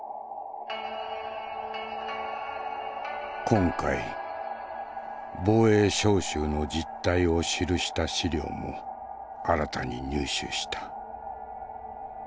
今回防衛召集の実態を記した資料も新たに入手した。